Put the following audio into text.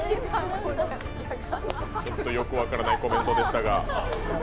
ちょっとよく分からないコメントでしたが。